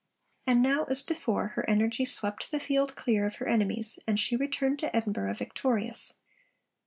And now, as before, her energy swept the field clear of her enemies, and she returned to Edinburgh victorious.